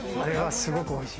すごくおいしい。